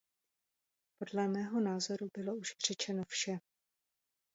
Podle mého názoru bylo už řečeno vše.